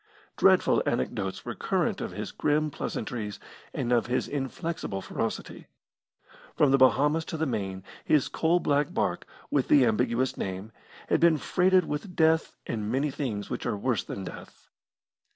Dreadful anecdotes were current of his grim pleasantries and of his inflexible ferocity. From the Bahamas to the Main his coal black barque, with the ambiguous name, had been freighted with death and many things which are worse than death.